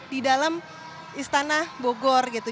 di dalam istana bogor gitu